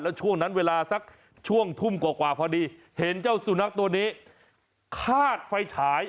แล้วช่วงนั้นเวลาสักช่วงถุ้มกว่าพอดี